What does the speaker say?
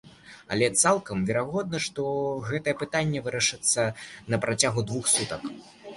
Але цалкам верагодна, што гэтае пытанне вырашыцца на працягу двух сутак.